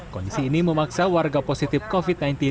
kondisi ini memaksa warga positif covid sembilan belas